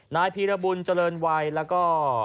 นายพีรบุญเจริญวัยแล้วก็